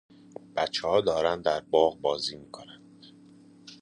بچهها دارند در باغ بازی میکنند.